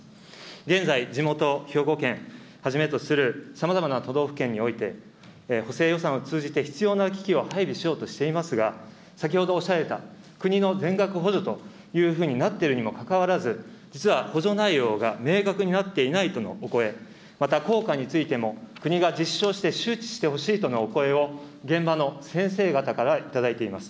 現在、地元、兵庫県はじめとするさまざまな都道府県において、補正予算を通じて必要な機器を配備しようとしていますが、先ほどおっしゃられた、国の全額補助というふうになっているにもかかわらず、実は補助内容が明確になっていないとのお声、また効果についても、国が実証して周知してほしいとのお声を、現場の先生方から頂いています。